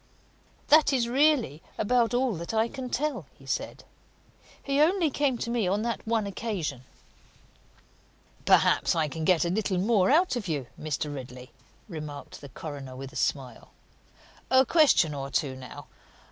"That is really about all that I can tell," he said. "He only came to me on that one occasion." "Perhaps I can get a little more out of you, Mr. Ridley," remarked the coroner with a smile. "A question or two, now.